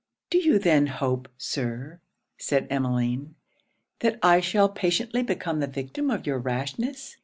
'Do you then hope, Sir,' said Emmeline, 'that I shall patiently become the victim of your rashness?